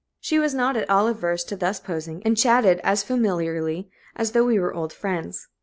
She was not at all averse to thus posing, and chatted as familiarly as though we were old friends.